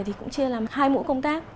thì cũng chia làm hai mũi công tác